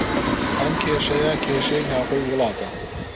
ئەم کێشەیە، کێشەی ناوخۆی وڵاتە